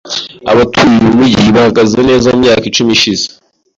Abatuye uyu mujyi bahagaze neza mumyaka icumi ishize.